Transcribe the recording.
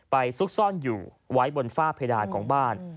ซุกซ่อนอยู่ไว้บนฝ้าเพดานของบ้าน